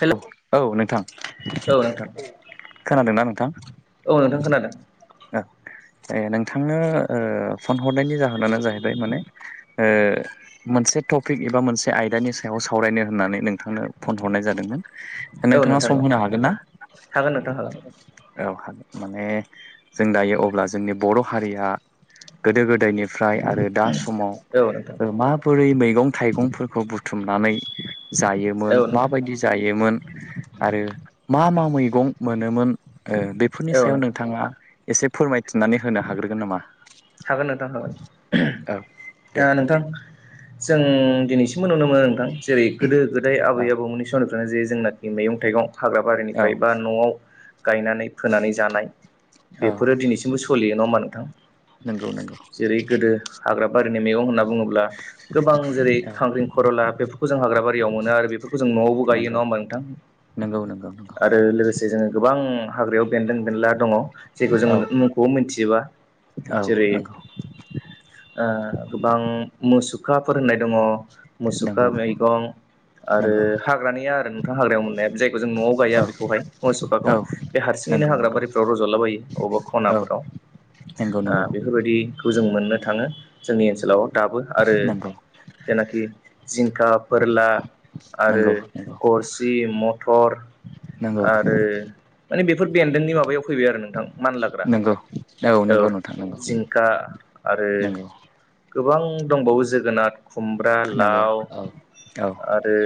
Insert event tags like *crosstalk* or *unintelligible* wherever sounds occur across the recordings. हेल' औ नोंथां औ नोंथां खोनादोंना नोंथां? औ नोंथां खोनादों। ओ ए नोंथांनो ओ फन हरनायनि जाहोनानो जाहैबाय माने ओ मोनसे टपिक एबा मोनसे आयदानि सायाव सावरायनो होननानै नोंथांनो फन हरनाय जादोंमोन। औ नोंथाङा नोंथां सम औ होनो हागोन ना? हागोन नोंथां हागोन औ हागो माने जों दायो अब्ला जोंनि बर' हारिया गोदो गोदायनिफ्राय आरो दा स समाव औ नोंथां ओ माबोरै मैगं थाइगंफोरखौ बुथुमनानै औ जायोमोन नोंथां माबायदि जायोमोन आरो मा मा मैगं मोनोमोन ओ बेफोरनि औ सायाव नोंथां नोंथाङा एसे फोरमायथिनानै होनो हाग्रोगोन नामा? हागोन नोंथां हागोन औ ओ नोंथां जों दिनैसिम नुनो मोनो नोंथां जेरै गोदो गोदाय औ आबै आबौमोननि समनिफ्रायनो जे जोंनाखि मैगं थाइगं हाग्रा औ बारिनिफ्राय बा न'आव गायनानै फोनानै जानाय औ बेफोरो दिनैसिमबो सलियो नङा होमबा नोंथां? नंगौ नंगौ जेरै गोदो हाग्रा बारिनि मैगं होनना बुङोब्ला गोबां जेरै औ खांख्रिं खर'ला बेफोरखौ जों हाग्रा बारियाव मोनो आरो बेफोरखौ जों न'आवबो गायो नंगौ नङा होमबा नंगौ नंगौ नंगौ थां आरो लोगोसे जोङो गोबां हाग्रायाव बेन्दों बेनला दङ जेखौ जों औ *unintelligible* मुंखौ मिथिजोबा। औ जेरै नंगौ ओ गोबां मुसुखाफोर होननाय दङ मुसुखा नंगौ मैगं। आरो नंगौ हाग्रानिया आरो नोंथां हाग्रायाव मोननाया जायखौ जों न'आव गाया औ बेखौहाय औ मुसुखाखौ बे हारसि यैनो नंगौ हाग्रा नंगौ बारिफ्राव रज'लाबायो अबबा औ ख'नाफोराव। *unintelligible* ओ बेफोरबायदिखौ जों मोननो थाङो जोंनि ओनसोलाव दाबो आरो नंगौ जेनाखि जिंखा फोरला आरो नंगौ गरसि मथर नंगौ नंगौ आरो माने बेफोर बेन्दोंनि माबायाव फैबाय आरो नोंथां मानलाग्रा। नंगौ औ नंगौ नोंथां। नंगौ जिंखा आरो नंगौ गोबां दंबावो जोगोनाद खुमब्रा नंगौ लाव औ औ आरो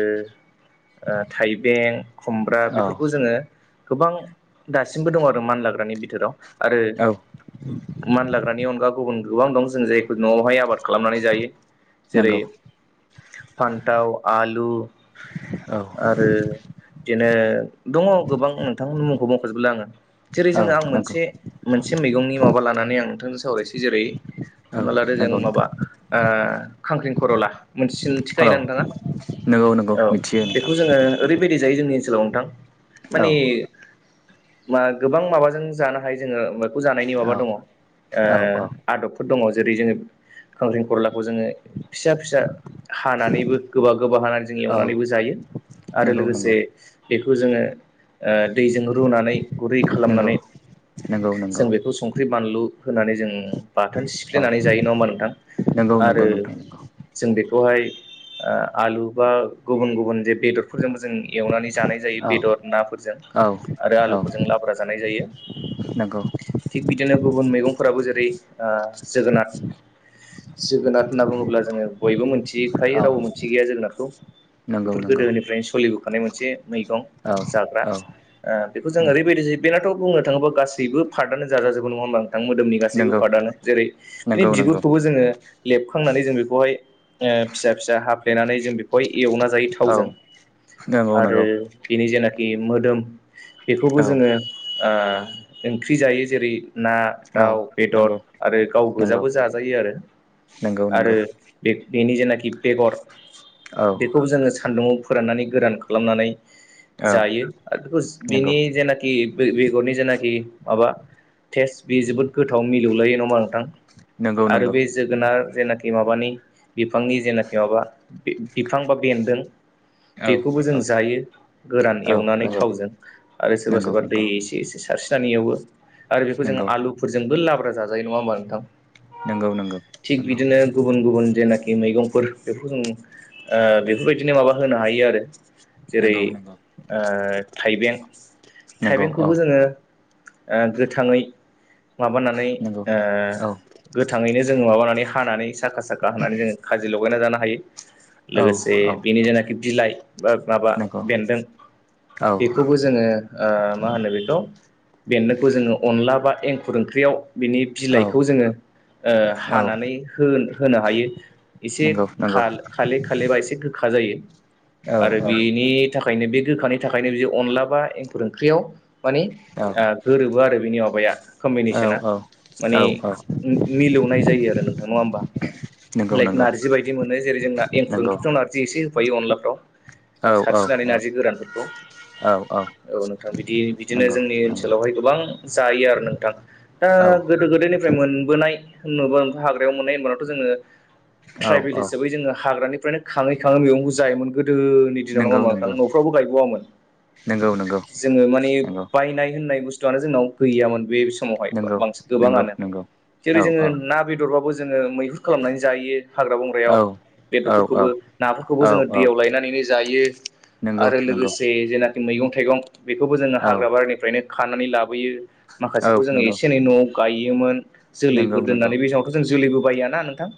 ओ थाइबें खुमब्रा औ बेफोरखौ जोङो गोबां दासिमबो दङ आरो मानलाग्रानि बिथोराव आरो औ मान लाग्रानि अनगा गुबुन गोबां दं जों जायखौ न'आवहाय आबाद खालामनानै जायो जेरै नंगौ फान्थाव आलु औ आरो बिदिनो दङ गोबां नोंथांमोननि मुंखौ बुंखजोबला आङो जेरै औ जोङो आं नंगौ मोनसे मोनसे मैगंनि माव माने आं नोंथांजों सावरायसै जेरै औ हमना लादो जों नंगौ माबा नोंथां खांख्रिं खर'ला मोनसे सिन औ थिखायना नोंथाङा नंगौ नंगौ औ मिथियो नोंथां बेखौ जोङो ओरैबायदि जाय जोंनि ओनसोलाव नोंथां औ माने मा गोबां माबाजों जानो हायो जोङो मखौ जा औ दं ओ औ औ आदबफोर दङ जेरै जोङो खांख्रिं खलाखौ जोङो फिसा फिसा हानानैबो गोबा गोबा हानानै जों औ एवनानैबो जायो। आरो नंगौ लोगोसे नंगौ बेखौ जोङो ओ दैजों रुनानै गुरै नंगौ खालामनानै नंगौ नंगौ जों बेखौ संख्रि बानलु होनानै जों बाथोन औ सिफ्लेनानै जायो नङा होमबा नोंथां? नंगौ नंगौ आरो नोंथां जों बेख बेखौहाय ओ आलु बा गुबुन गुबुन जे बेदरफोरजोंबो जों एवनानै जानाय जायो औ बेदर नाफोरजों आरो आलुफोरजों लाब्रा जानाय जायो। नोंगौ। नो गुबुन मैगंफोराबो जेरै ओ जोगोनार जोगोनार होनना बुङोब्ला जोङो बयबो मोनथिखायो औ रावबो मोनथि गैया जोगोनारखौ। नंगौ बेफोर नंगौ गोदोनिफ्रायनो सलिबो थानाय मोनसे मैगं औ जाग्रा औ ओ बेखौ जों ओरैबायदि जोयो बेनाथ बुंनो थाङोबा गासैबो पार्टानो जाजाजोबो नङा होमबा? मोदोमनि गासैबो नंगौ पार्टनो जेरै बिनि नंगौ नंगौ बिगुरखौबो जोङो लेबखांनानै जों बेखौहाय ओ फिसा फिसा हाब फ्लेनानै जों बेखौहाय एवना जायो थावजों औ नंगौ आरो नंगौ बेनि जेनाख बि मोदोम बेखौबो औ जोङो ओ ओंख्रि जायो जेरै ना दाउ औ बेदर नंगौ आरो गाव नंगौ गोजाबो जाजायो आरो नंगौ आरो नंगौ बेब बेनि जेनाखि बेगर औ बेखौ जोङो सानदुंवाव फोराननानै गोरान खालामनानै औ जायो आरो बेखौ नंगौ बिनि जेनाखि बे-बे-बेगरनि जेनाखि माबा टेस्ट बे जोबोद गोथाव मिलौलायो नमा नोंथां? नंगौ आरो नंगौ बे जोगोनार जेनाखि माबानि बिफांनि जेनाखि माबा बि-बिफां बा बेन्दों औ बेखौबो औ जों जायो गोरान औ एवनानै नंगौ थावजों आरो सोरबा नंगौ सोरबा दै एसे एसे सारसि थानि एवबो आरो बेखौ जों नंगौ आलुफोरजोंबो लाब्रा जाजायो नङा होमबा नोंथां? नंगौ नंगौ थिग बिदिनो गुबुन गुबुन जेनाखि मैगंफोर बेफोरखौ जों ओ बेफोरबायदिनो माबा होनो हायो आरो जेरै नंगौ नंगौ ओ थाइबें नंगौ नंगौ औ थाइबेंखौबो जोङो ओ गोथाङै माबानानै नंगौ ओ औ गो गोथाङैनो जोङो माबानानै हानानै साखा साखा होनानै जोंङो खाजि लगायना जानो हायो। औ लोगोसे औ बेनि जेनाखि बिलाइ माबा नंगौ बेन्दों औ बेखोबो जोङो ओ मा होनो बेखौ बेन्दोखौ जोंङो अनला बा एंखुर ओंख्रियाव बिनि औ बिलाइखौ जोङो ओ हानानै होन होनो हायो। एसे नंगौ नंगौ खाल-खाले खाले बा एसे गोखा जायो। औ आरो बेनि थाखायनो बे गोखानि थाख ओंखायनो बि अनला बा एंखुर ओंख्रियाव माने औ ओ गोरोबो आरो बिनि माबाया औ कम्बिनेसना। औ माने औ मि-मिलौनाय जायो आरो नोंथां नङा होमबा? नंगौ लाइक नंगौ नारजि बायदि मोनो जेरै जोंना एंखुर नंगौ ओंख्रिफ्राव नारजि एसे होफायो अनलाफ्राव औ सारस्रिनानै औ नारजि गोरानफोरखौ औ नोंथां बिदि बिदिनो नंगौ जोंनि ओनसो नंगौ ओनसोलावहाय गोबां जायो आरो नोंथां दा औ गोदो गोदायनिफ्राय मोनबोनाय *unintelligible* हाग्रायाव मोननाय होमबावथ जोङो औ ट्राइबेल औ हिसाबै जोङो हाग्रानि फ्रायनो खाङै खाङै मेगंखो जायोमोन गोद गोदोनि दिनाव नङा नंगौ होमबा नंगौ नफ्रावबो गायबावोन नंगौ नंगौ जोङो माने नंगौ बायनाय होननाय बुस्थुआनो जोंनाव गैयामोन बे समावहाय नंगौ बांसिन नंगौ गोबाङानो नंगौ जेरै औ जोङो औ ना बेदरबाबो जोङो मैहुर खालामनानै जायो हाग्रा औ बंग्रायाव औ बेदरफोरखौबो औ नाफोरखौबो जोङो औ दैयाव लायनानैनो जायो नंगौ आरो नंगौ लोगोसे जेनाखि मैगं थाइगं बेखौबो जोङो औ हाग्रा बारिनिफ्रायनो खानानै लाब बोयो औ माखासेखौ जों नंगौ एसे एनै नवाव गायोमोन नंगौ जोलैफोर नंगौ दोननानै बे समावथ जों जुलिबो बायोना नोंथां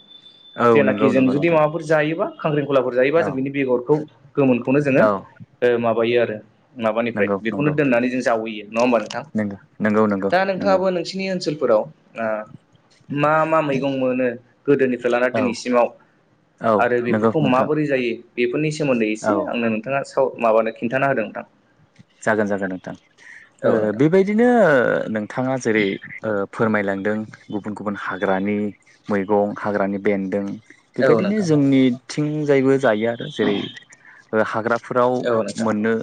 औ नंगौ जेनाखि जों नंगौ जुदि नोंथां माबाफोर जायोबा खांख्रिखलाफोर जायोबा जों औ बिनि बेगरखौ गोमोनखौनो जोङो औ ओ माबायो आरो माबानिफ्राय नंगौ बेखौनो नंगौ दोननानै जों जावैयो नङा होमबा नोंथां? नंगौ नंगौ नंगौ दा नंगौ नोंथाङाबो नोंसिनि ओनसोलफोराव ओ मा मा मैगं मोनो गोदोनिफ्राय लाना औ दिनैसिमाव औ आरो नंगौ बेफोरखौ नोंथां माबोरै जायो बेफोरनि सोमोन्दै औ एसे आंनो नोंथाङा स' माबानो खिन्थान होदों ओनथां जागोन जागोन नोंथां ओ नोंथां बेबायदिनो नोंथाङा जेरै ओ फोरमायलांदों गुबुन गुबुन हाग्रानि मैगं हाग्रानि बेन्दों औ बेबायदिनो नोंथां जोंनिथिं जायबो जायो आरो जेरै ओ हाग्राफोराव औ नोंथां मोननो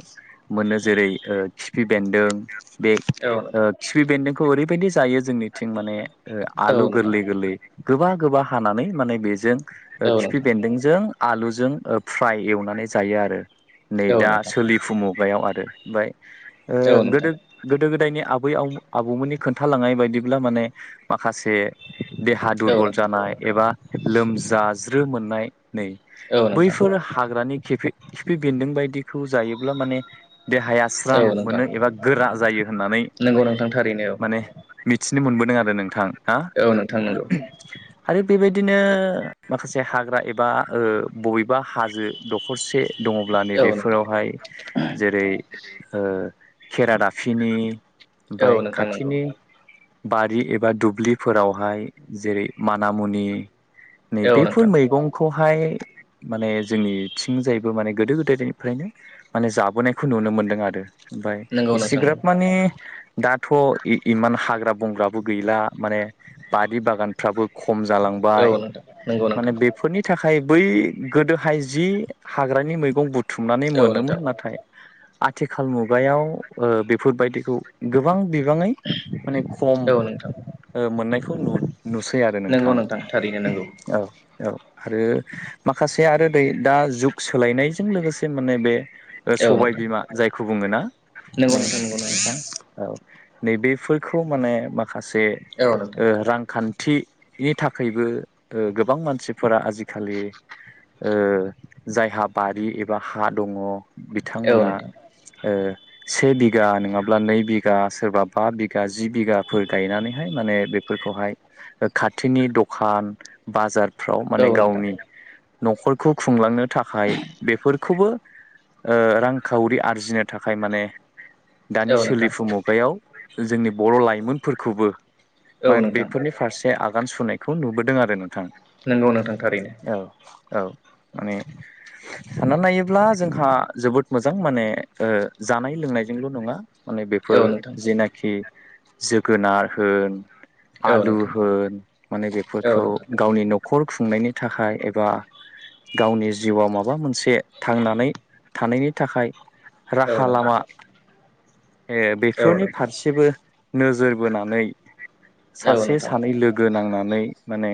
मोनो जेरै ओ खिफि बेदों बे औ ओ नोंथां खिफि बेदोंखौ एरैबायदि जायो जोंनिथिं माने ओ औ नोंथां औ आलु नोंथां गोरलै गोरलै गोबा गोबा हानानै माने बेजों ओ औ खिफि नोंथां बेन्दोंजों आलुजों फ्राय एवनानै जायो आरो नै औ दा नोंथां सोलिफु मुगायाव आरो ओमफ्राय ओ औ नोंथां गोदो गोदो गोदायनि आबै आ आबौमोननि खोन्थालांनाय बायदिब्ला माने माखासे देहा औ दुरबल नोंथां जानाय एबा लोमजानाय लोमज्राज्रो मोननाय नै औ नोंथां बैफोर हाग्रानि खिफि खिफि बेन्दों बायदिखौ जायोब्ला माने देहाया स्रां औ नोंथां मोनो एबा गोरा जायो होननानै नंगौ नोंथां थारैनो औ माने मिथिनो मोनबोदों आरो नोंथां ना औ नोंथां नंगौ आरो बेबायदिनो माखासे हाग्रा एबा ओ बबेबा हाजो दखरसे दङब्ला औ नोंथां नैबेफोरावहाय जेरै ओ खेरादाफिनि औ ओमफ्राय नोंथां नंगौ खाथिनि बारि एबा दुब्लिफोरावहाय जेरै माना मुनि नै औ बेफोर नोंथां मैगंखौहाय माने जोंनिथिंजायबो माने गोदो गोदायनिफ्रायनो माने जा बोनायखौ नुनो मोन्दों आरो ओमफफ्राय नंगौ नोंथां एसेग्राब नंगौ माने दाथ' इमान हाग्रा बंग्राबो गैला माने बारि बागानफ्राबो ख खम जालांबाय औ नोंथां नंगौ माने नोंथां बेफोरनि थाखाय बै गोदोहाय जि हाग्रानि मैगं बुथुमनानै औ मोनोमोन नोंथां नाथाय आथिखाल मुगायाव ओ बेफोरबायदिखौ गोबां गोबाङै माने खम औ नोंथां ओ मोननायखौ नु नुसै आरो नंगौ नोंथां थारैनो नंगौ औ औ आरो माखासे आरो नै दा जुग सोलायनायजों लोगोसे माने बे औ सबाय नोंथां बिमा जायखौ बुङोना नंगौ नै नोंथां नंगौ नंगौ नोंथां औ नै बेफोरखौ माने माखासे औ नोंथां ओ रांखान्थि थि नि थाखायबो ओ गोबां मानसिफोरा आजिखालि ओ जायहा बारि एबा हा दङ औ बिथांमोना नोंथां ओ से बिघा नङाब्ला नै बिघा सोरबा बा बिघा जि बिघाफोर गायनानैहाय माने बे बेफोरखौहाय ओ खाथिनि द'खान बाजार फ्राव औ माने नोंथां गावनि न'खरखौ खुंलांनो थाखाय बेफोरखौबो ओ रांखावरि आरजिनो थाखाय माने दानि औ नोंथां सोलिफु मुगायाव जोंनि बर' लाइमोनफोरखौबो औ माने नोंथां बेफोरनि फारसे आग,, आगान सुरनायखौ नुबोदों आरो नोंथां। नंगौ नोंथां थारैनो औ औ माने सानना नायोब्ला जोंहा,, जोबोद मोजां माने जानाय लोंनायजोंल' नङा माने बेफोर औ नोंथां जेनाखि,, जोगोनार होन,,,, औ आलु नोंथां होन माने औ बेफोरखौ नोंथां गावनि न'खर,, न'खर खुंनायनि थाखाय एबा गावनि जिउआव माबा मोनसे थांनानै,, थानायनि थाखाय औ राहा नोंथां लामा ओ औ बेफोरनि नोंथां फारसेबो नोजोर बोनानै औ सासे नोंथां सानै लोगो नांनानै माने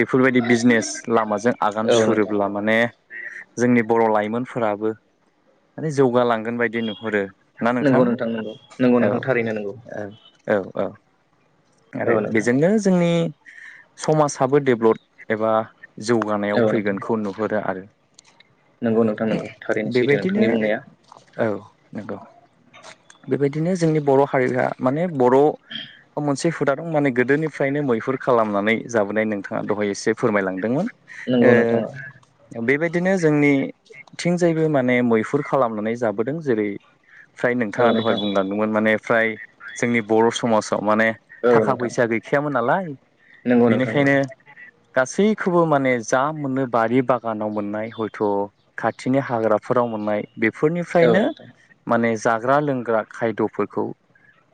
बेफोरबायदि बिजनेस लामाजों आगान औ नोंथां सुरोब्ला माने जोंनि बर' लाइमोन फोराबो माने जौगालांगोन बायदि नुहरो ना नोंथां नंगौ नंगौ नंगौ नोंथां थारैनो नंगौ औ-औ औ-औ आरो औ नोंथां बेजोंनो जोंनि समाजाबो डेभ्लप एबा जौगानायाव औ नोंथां फैगोनखौ नुहुरो आरो *unintelligible* नंगौ नोंथां नोंगौ थारैनो सैथो बेबायदिनो नोंथांनि बुंनाया औ नंगौ बेबायदिनो जोंनि बर' हारिया माने बर' मोनसे हुदा दं माने गोदोनिफ्रायनो मैहुर खालामनानै जाबोनाय नोंथाङा दहाय एसे फोरमायलांदोंमोन नंगौ नोंथां औ ओ बेबायदिनो जोंनि थिंजायबो माने मैहुर खालामनानै जाबोदों जेरै फ्राय नोंथाङा दहाय नोंथां बुंलांदोंमोन माने फ्राय जोंनि बर' समाजाव माने औ थाखा नोंथां फैसा गैखायामोन नालाय नंगौ नोंथां नंगौ बेनिखायनो गासैखौबो माने जा मोनो बारि बागानाव मोननाय हयथ' खाथिनि हाग्राफोराव मोननाय औ बेफोरनिफ्रायनो नोंथां माने जाग्रा लोंग्रा खायद'फोरखौ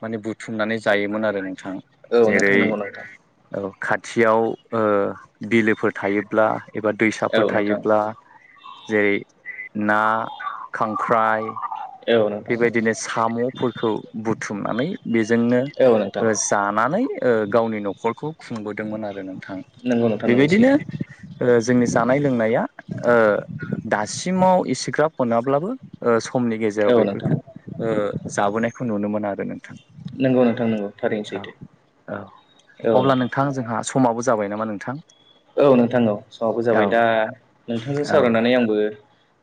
माने बुथुमनानै जायोमोन आरो नों थां औ नोंथां जेरै नंगौ नोंथां खा थियाव ओ बिलोफोर थायोब्ला एबा दैसाफोर औ नोंथां थायोब्ला जेरै ना खांख्राइ औ नोंथां बेबायदिनो साम'फोरखौ बुथुमनानै बेजोंनो औ नोंथां ओ जानानै ओ गावनि न'खरखौ खुंबोदोंमोन आरो नों थां नंगौ नोंथां नंगौ बेबायदिनो सैथो ओ जोंनि जानाय लोंनाया ओ दासिमाव एसेग्रााब मोनाब्लाबो ओ समनि गेजेराव औ नोंथां बेफोरखौ ओ जाबोनायखौ नुनो मोनो आरो नोंथां नंगौ नोंथां नंगौ थारैनो सैथो औ-औ अब्ला नोंथां जोंहा समाबो जाबाय नामा नोंथां औ नोंथां औ समाबो औ जाबाय दा नोंथांजों औ औ सावरायनानै आंबो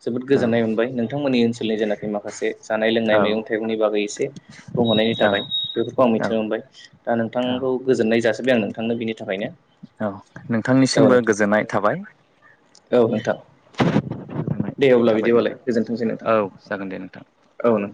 जोबोद गोजोननाय मोनबाय नोंथांमोननि ओनसोलनि जेखि माखासे जानाय लोंनाय मैगं-थाइगंनि बागै एसे बुंहरनायनि औ थाखाय बेफोरखौ आं मिथिनो मोनबाय दा औ नोंथांखौ गोजोन्नाय जासोबबाय आं नोंथांनो बिनि थाखायनो औ औ नोंथांनिसिमबो नोंथां गोजोननाय थाबाय औ नोंथां दे अब्ला थाबाय बिदिबालाय नोंथां गोजोनथोंसै नोंथां औ जागोन दे नोंथां *unintelligible* औ नोंथां